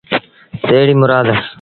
تيڙيٚ مُرآد